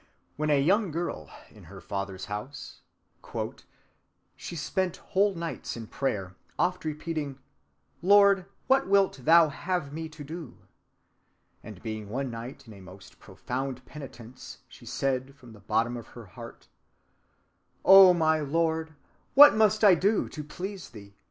When a young girl, in her father's house,— "She spent whole nights in prayer, oft repeating: Lord, what wilt thou have me to do? And being one night in a most profound penitence, she said from the bottom of her heart: 'O my Lord! What must I do to please thee?